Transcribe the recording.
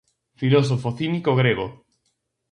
Filósofo cínico grego.